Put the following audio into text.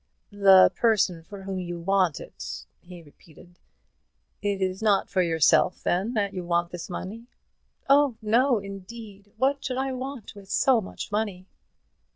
"The person for whom you want it," he repeated. "It is not for yourself, then, that you want this money?" "Oh no, indeed! What should I want with so much money?"